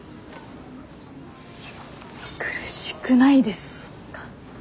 苦しくないですか？